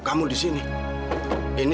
kamu nggak peduli